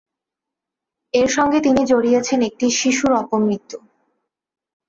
এর সঙ্গে তিনি জড়িয়েছেন একটি শিশুর অপমৃত্যু।